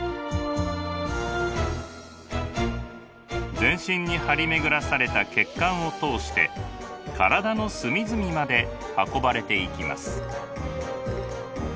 全身に張り巡らされた血管を通して体の隅々まで運ばれていきます。